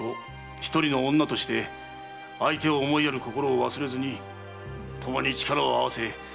一人の女として相手を思いやる心を忘れずにともに力を合わせ幸せを掴んでくれ。